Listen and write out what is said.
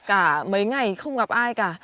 cả mấy ngày không gặp ai cả